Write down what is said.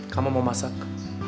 kamu mau masak